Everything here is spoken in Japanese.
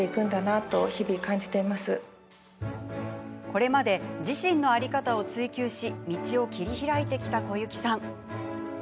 これまで自身の在り方を追求し道を切り開いてきた小雪さん。